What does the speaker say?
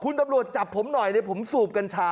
คุณตำรวจจับผมหน่อยผมสูบกัญชามา